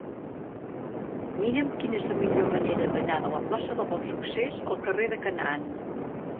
Mira'm quina és la millor manera d'anar de la plaça del Bonsuccés al carrer de Canaan.